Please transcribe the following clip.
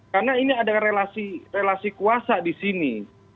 karena ini ada relasi kuasa di sini